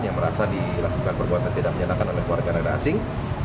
yang merasa dilakukan perbuatan tidak menyenangkan oleh warga negara asing